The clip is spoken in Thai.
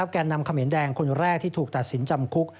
แก่นำเขมรแดงคนแรกที่ถูกตัดสินจำคุก